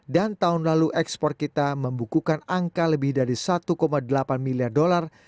dan tahun lalu ekspor kita membukukan angka lebih dari satu delapan miliar dolar